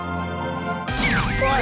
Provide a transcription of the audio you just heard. おい！